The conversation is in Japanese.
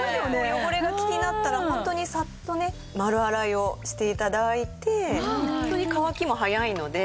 汚れが気になったらホントにサッとね丸洗いをして頂いてホントに乾きも早いので。